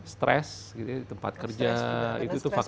stres di tempat kerja itu faktor resiko